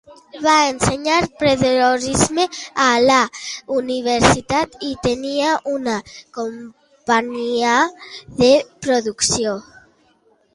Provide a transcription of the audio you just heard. Va ensenyar periodisme a la universitat, i tenia una companyia de producció.